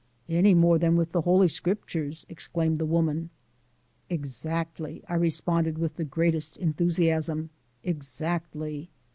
"Any more than with the Holy Scriptures," exclaimed the woman. "Exactly!" I responded with the greatest enthusiasm; "exactly!